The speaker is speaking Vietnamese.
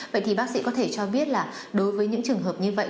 vậy thì bác sĩ có thể cho biết là đối với những trường hợp như vậy